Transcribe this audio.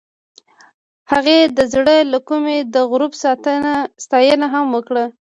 هغې د زړه له کومې د غروب ستاینه هم وکړه.